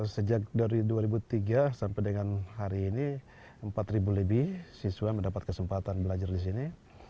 sejak dari dua ribu tiga sampai dengan hari ini empat lebih siswa mendapat kesempatan belajar di sini